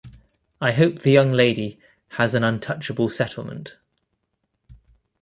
I hope the young lady has an untouchable settlement.